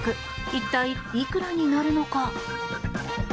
一体、いくらになるのか。